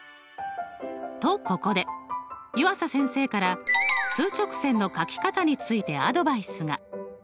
とここで湯浅先生から数直線の書き方についてアドバイスが。